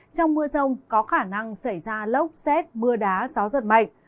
trong mưa rông có khả năng xảy ra lốc xét mưa đá gió giật mạnh